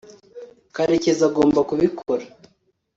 karekezi agomba kubikora